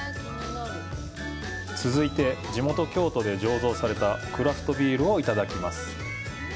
続いて、地元・京都で醸造されたクラフトビールをいただきます。